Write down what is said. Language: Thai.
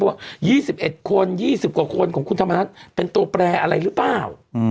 ว่า๒๑คน๒๐กว่าคนของคุณธรรมนัฐเป็นตัวแปรอะไรหรือเปล่า